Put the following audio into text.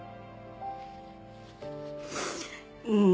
うん。